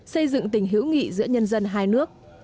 xây dựng tình hữu nghị giữa nhân dân hai nước